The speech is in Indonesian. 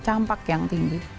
campak yang tinggi